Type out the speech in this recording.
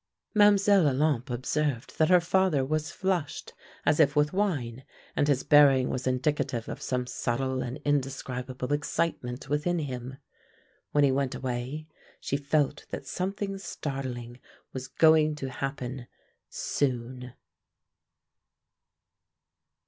Mlle. Olympe observed that her father was flushed as if with wine, and his bearing was indicative of some subtile and indescribable excitement within him. When he went away she felt that something startling was going to happen soon.